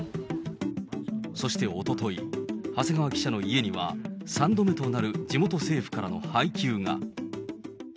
そしておととい、長谷川記者の家には３度目となる地元政府からの配給が。